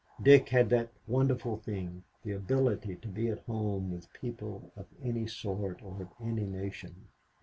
Dick had that wonderful thing, the ability to be at home with people of any sort or of any nation.